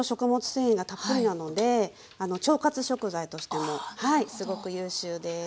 繊維がたっぷりなので腸活食材としてもすごく優秀です。